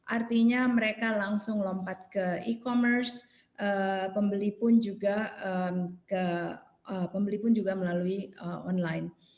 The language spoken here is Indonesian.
artinya mereka langsung lompat ke e commerce pembeli pun juga ke online